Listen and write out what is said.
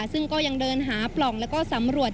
ซึ่งก็ยังเดินหาปล่องแล้วก็สำรวจ